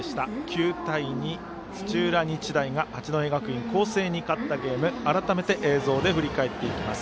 ９対２、土浦日大が八戸学院光星に勝ったゲーム改めて映像で振り返っていきます。